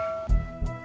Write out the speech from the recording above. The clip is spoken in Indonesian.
tadinya di pasar